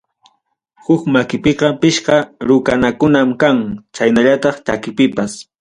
Huk makipiqa pichqa rukanakunam kan, chaynallataq chakipipas.